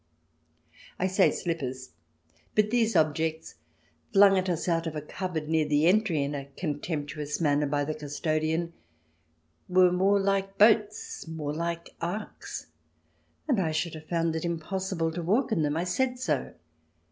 I say slippers, but these objects, flung at us out of a cupboard near the entry in a contemptuous manner by the custodian, were more like boats, more like arks, and I should have found it impossible to walk in them. I said so.